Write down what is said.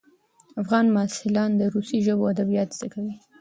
افغان محصلان د روسي ژبو ادبیات زده کوي.